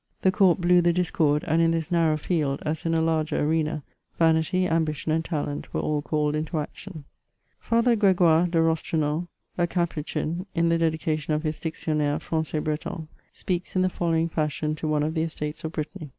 The court blew the discord, and in this narrow field, as in a larger arena, vanity, ambition, and talent were all caUed into action. Father Gregoire de Rosti*enen, a capuchin, in the dedication of his ^^ Dictionnaire Franqais Breton," speaks in the following fashion to one of the Estates of Brittany.